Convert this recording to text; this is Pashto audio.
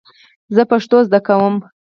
زه پښتو زده کوم .